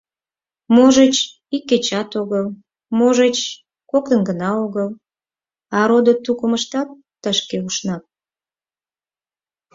Можыч, ик кечат огыл, можыч, коктын гына огыл, а родо-тукымыштат тышке ушнат.